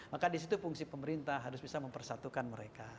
maka di situ fungsi pemerintah harus bisa mempersatukan mereka